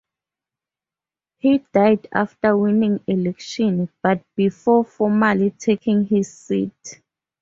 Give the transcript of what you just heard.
He died after winning election, but before formally taking his seat.